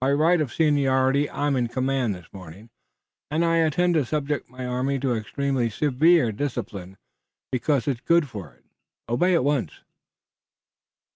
By right of seniority I'm in command this morning, and I intend to subject my army to extremely severe discipline, because it's good for it. Obey at once!"